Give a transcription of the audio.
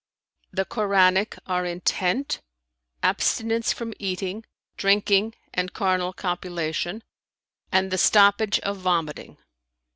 "The Koranic are intent; abstinence from eating, drinking and carnal copulation, and the stoppage of vomiting.